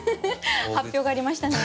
発表がありましたね。